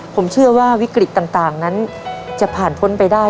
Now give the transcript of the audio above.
ผมเชื่อว่าวิกฤตต่างนั้นจะผ่านพ้นไปได้